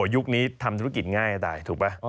ยุคนี้ทำธุรกิจง่ายได้ตายถูกป่ะ